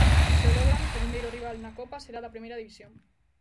Se o logran, o vindeiro rival na Copa será da Primeira División.